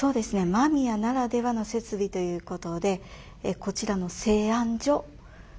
間宮ならではの設備ということでこちらの製あん所。